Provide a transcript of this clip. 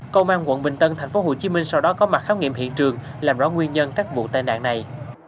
công an quận bình tân tp hcm sau đó có mặt khám nghiệm hiện trường làm rõ nguyên nhân các vụ tai nạn này